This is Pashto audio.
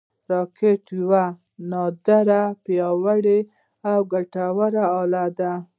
راکټ یوه نادره، پیاوړې او ګټوره اله ده